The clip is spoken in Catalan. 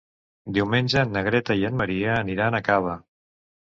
Diumenge na Greta i en Maria aniran a Cava.